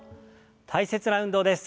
大切な運動です。